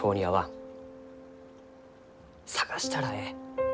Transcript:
探したらえい。